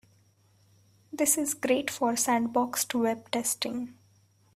This is great for sandboxed web testing.